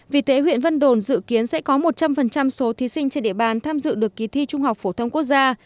vì thế huyện vân đồn dự kiến sẽ có một trăm linh số thí sinh trên địa bàn tham dự được kỳ thi trung học phổ thông quốc gia